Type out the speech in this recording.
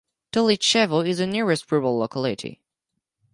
Tulichevo is the nearest rural locality.